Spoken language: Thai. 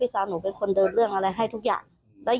สาวหนูเป็นคนเดินเรื่องอะไรให้ทุกอย่าง